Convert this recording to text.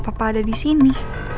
apa apa ada di sini